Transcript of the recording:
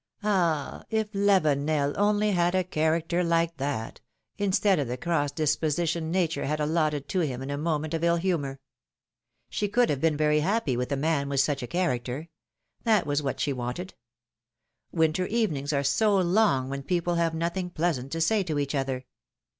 Ah ! if Lavenel only had a character like that, instead of the cross dis position nature had allotted to him in a moment of ill humor! She could have been very ha|>py with a man with such a character; that was what she wanted. Winter evenings are so long, when people have nothing pleasant to say to each other.